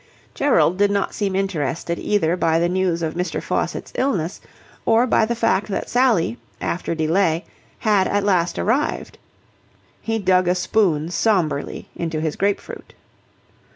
Gerald did not seem interested either by the news of Mr. Faucitt's illness or by the fact that Sally, after delay, had at last arrived. He dug a spoon sombrely into his grape fruit.